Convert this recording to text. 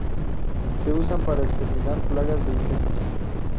Se usan para exterminar plagas de insectos.